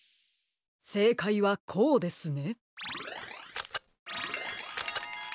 せいかいはこうですね。